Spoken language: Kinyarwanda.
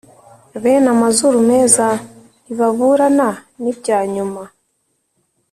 Bene amazuru meza ntibaburana n’ibya nyuma.